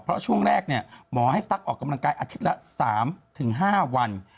เพราะช่วงแรกหมอให้ตั๊กออกกำลังกายอาทิตย์ละ๓๕วัน